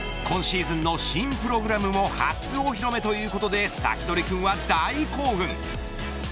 今シーズンの新プログラムも初お披露目ということでサキドリくんは大興奮。